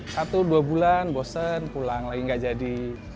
satu dua bulan bosen pulang lagi nggak jadi